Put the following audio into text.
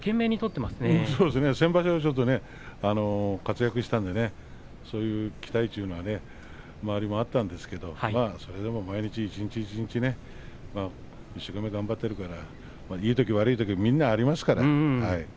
先場所活躍したので期待というのは周りもあったんですけどそれでも毎日一日一日一生懸命頑張っていいとき悪いときはみんなありますからね。